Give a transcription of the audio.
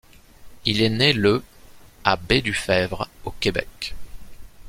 Il est né le à Baie-du-Febvre, au Québec.